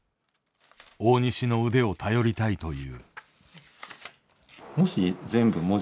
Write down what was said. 大西の腕を頼りたいという。